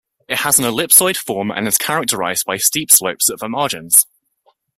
It has an ellipsoid form and is characterized by steep slopes at the margins.